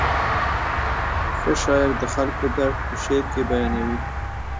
ښه شاعر د خلکو درد په شعر کې بیانوي.